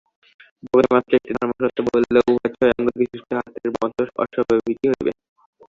জগতে মাত্র একটি ধর্ম সত্য বলিলে উহা ছয় আঙুল-বিশিষ্ট হাতের মত অস্বাভাবিকই হইবে।